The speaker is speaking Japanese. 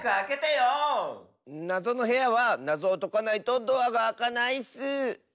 なぞのへやはなぞをとかないとドアがあかないッス！